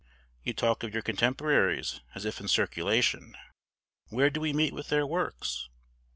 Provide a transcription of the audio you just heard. You talk of your contemporaries as if in circulation. Where do we meet with their works?